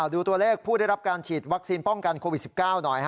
ดูตัวเลขผู้ได้รับการฉีดวัคซีนป้องกันโควิด๑๙หน่อย